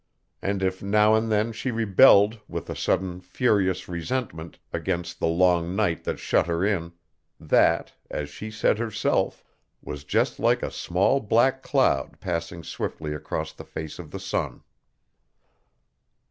And if now and then she rebelled with a sudden, furious resentment against the long night that shut her in, that, as she said herself, was just like a small black cloud passing swiftly across the face of the sun.